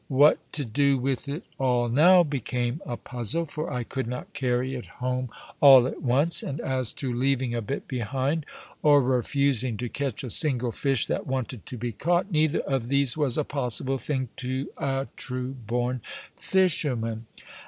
What to do with it all now became a puzzle, for I could not carry it home all at once; and as to leaving a bit behind, or refusing to catch a single fish that wanted to be caught, neither of these was a possible thing to a true born fisherman.